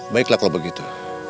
baiklah kalau begitu